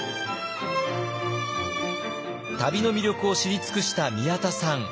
旅の魅力を知り尽くした宮田さん。